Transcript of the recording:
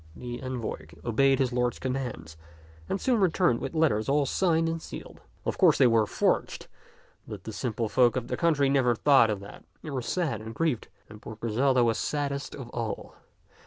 The envoy obeyed his lord's commands and soon returned with letters all signed and sealed. Of course they were forged, but the simple folk of the country never thought of that. They were sad and grieved, and poor Griselda was saddest of all.